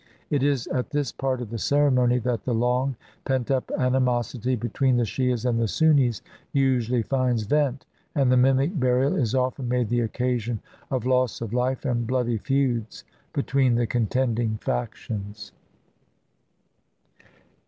It is at this part of the ceremony that the long pent up animosity between the Shiahs and the Sunnis usually finds vent, and the mimic burial is often made the occasion of loss of life and bloody feuds between the contending factions.